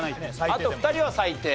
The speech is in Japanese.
あと２人は最低。